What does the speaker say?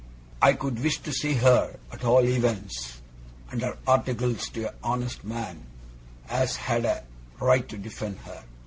I could wish to see her, at all ewents, under articles to a honest man as had a right to defend her.